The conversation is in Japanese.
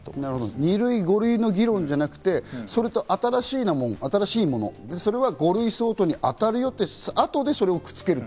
２類、５類の議論ではなくて新しいもの、それは５類相当に当たるよって、後でそれをくっつけると。